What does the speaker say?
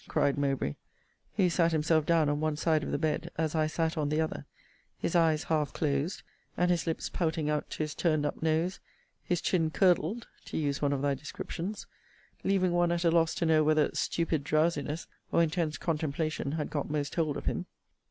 cried Mowbray; who sat himself down on one side of the bed, as I sat on the other: his eyes half closed, and his lips pouting out to his turned up nose, his chin curdled [to use one of thy descriptions]; leaving one at a loss to know whether stupid drowsiness or intense contemplation had got most hold of him.